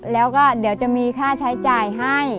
แล้วก็เดี๋ยวจะมีค่าใช้จ่ายให้